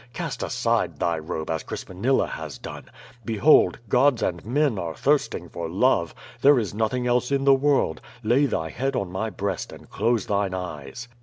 Cast aside thy robe as Crispinilla has done. Behold! gods and men are thirsting for love. There is nothing else in the world. Lay thy head on my breast and close thine eyes."